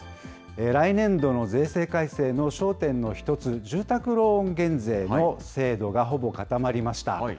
来年度の税制改正の焦点の１つ、住宅ローン減税の制度がほぼ固まりました。